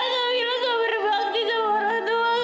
kamila nggak berbakti sama orang tua kamila